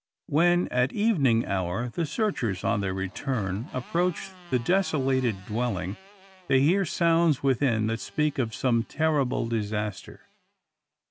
When, at evening hour, the searchers, on their return, approach the desolated dwelling, they hear sounds within that speak of some terrible disaster.